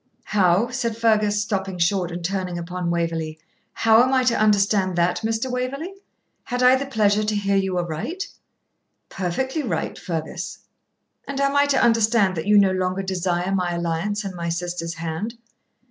'How,' said Fergus, stopping short and turning upon Waverley 'how am I to understand that, Mr. Waverley? Had I the pleasure to hear you aright?' 'Perfectly right, Fergus.' 'And am I to understand that you no longer desire my alliance and my sister's hand?'